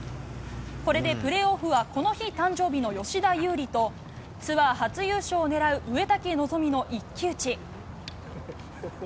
これでプレーオフは、この日、誕生日の吉田優利とツアー初優勝を狙う植竹希望の一騎打ち。